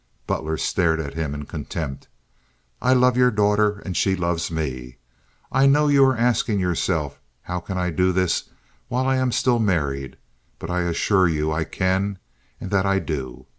Butler stared at him in contempt. "I love your daughter, and she loves me. I know you are asking yourself how I can do this while I am still married; but I assure you I can, and that I do.